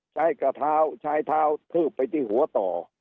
กระเท้าใช้เท้าทืบไปที่หัวต่อ